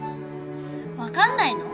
分かんないの？